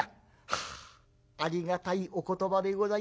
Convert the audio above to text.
「ああありがたいお言葉でございます。